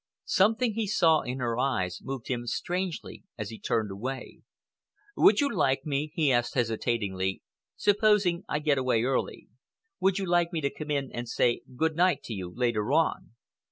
Something he saw in her eyes moved him strangely as he turned away. "Would you like me," he asked hesitatingly, "supposing I get away early—would you like me to come in and say good night to you later on?"